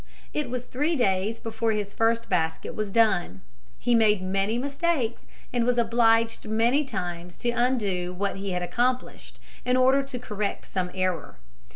It was three days before his first basket was done. He made many mistakes and was obliged many times to undo what he had accomplished in order to correct some error.